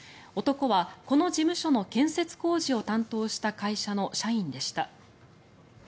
男はこの事務所の建設工事を担当した会社の社員でした。